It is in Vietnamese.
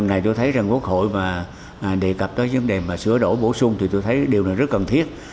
lần này tôi thấy rằng quốc hội mà đề cập tới vấn đề sửa đổ bổ sung thì tôi thấy điều này rất cần thiết